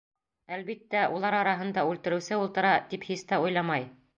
Әлбиттә, улар араһында үлтереүсе ултыра, тип һис тә уйламай.